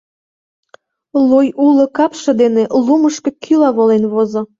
Луй уло капше дене лумышко кӱла волен возо.